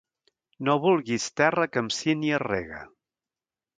No vulguis terra que amb sínia es rega.